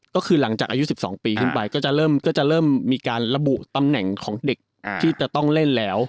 ก็คือหลังจากอายุ๑๒ปีขึ้นไปก็จะเริ่มมีการระบุตำแหน่งของเด็กที่จะต้องเล่นแล้ว